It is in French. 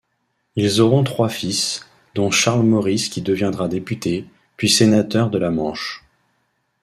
Ils auront trois fils, dont Charles-Maurice qui deviendra député, puis sénateur de la Manche.